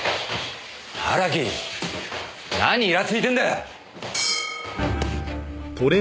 荒木何イラついてんだよ！